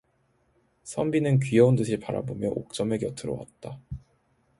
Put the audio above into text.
선비는 귀여운 듯이 바라보며 옥점의 곁으로 왔다.